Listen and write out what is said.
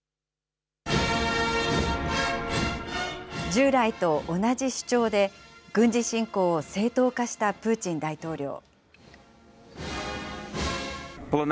従来と同じ主張で、軍事侵攻を正当化したプーチン大統領。